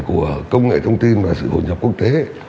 của công nghệ thông tin và sự hội nhập quốc tế